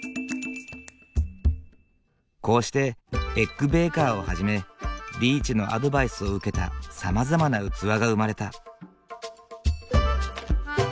こうしてエッグベーカーをはじめリーチのアドバイスを受けたさまざまな器が生まれた。